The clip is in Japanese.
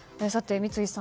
、三井さん